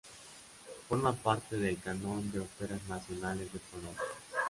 Forma parte del canon de óperas nacionales de Polonia.